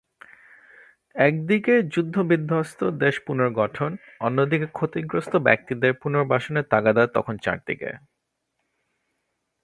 একদিকে যুদ্ধবিধ্বস্ত দেশ পুনর্গঠন, অন্যদিকে ক্ষতিগ্রস্ত ব্যক্তিদের পুনর্বাসনের তাগাদা তখন চারদিকে।